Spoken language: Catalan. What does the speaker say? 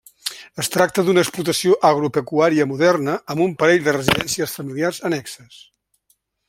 Es tracta d'una explotació agropecuària moderna amb un parell de residències familiars annexes.